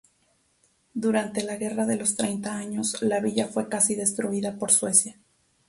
Durante la guerra de los Treinta Años, la villa fue casi destruida por Suecia.